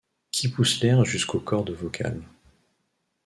Qui poussent l’air jusqu’aux cordes vocales.